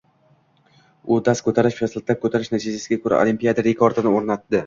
U dast koʻtarish va siltab koʻtarish natijasiga koʻra Olimpiada rekordini oʻrnatdi.